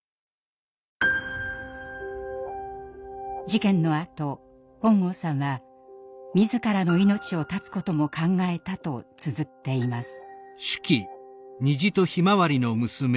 事件のあと本郷さんは自らの命を絶つことも考えたとつづっています。